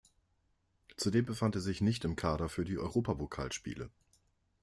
Zudem befand er sich nicht im Kader für die Europapokalspiele.